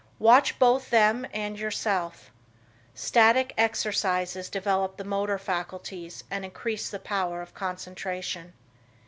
Watch both them and yourself. Static exercises develop the motor faculties and increase the power of concentration.